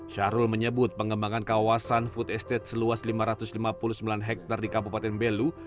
syahrul menyebut pengembangan kawasan food estate seluas lima ratus lima puluh sembilan hektare di kabupaten belu